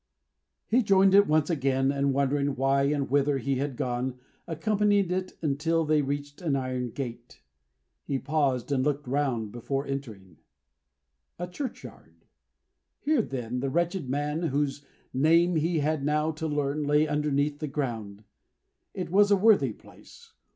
He joined it once again, and wondering why and whither he had gone, accompanied it until they reached an iron gate. He paused to look round before entering. A churchyard. Here, then, the wretched man whose name he had now to learn, lay underneath the ground. It was a worthy place.